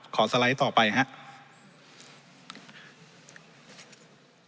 สไลด์ต่อไปครับ